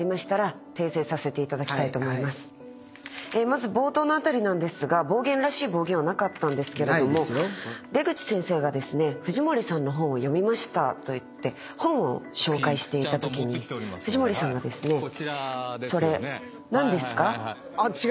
まず冒頭の辺りなんですが暴言らしい暴言はなかったんですけれども出口先生がですね「藤森さんの本を読みました」と言って本を紹介していたときに藤森さんが「それ何ですか？えっ？